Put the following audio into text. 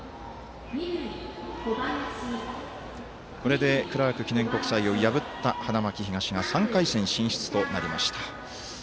これで、クラーク記念国際を破った花巻東が３回戦進出となりました。